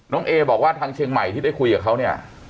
เอบอกว่าทางเชียงใหม่ที่ได้คุยกับเขาเนี่ย